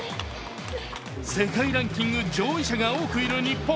世界ランキング上位者が多くいる日本。